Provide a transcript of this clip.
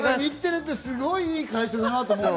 日テレってすごいいい会社だなって思った。